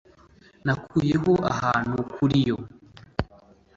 nakuyeho ahantu kuriyo